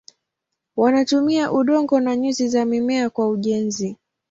Wanatumia udongo na nyuzi za mimea kwa ujenzi.